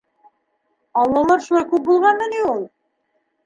Аллалар шулай күп булғанмы ни ул?